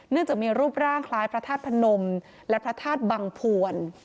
จากมีรูปร่างคล้ายพระธาตุพนมและพระธาตุบังพวน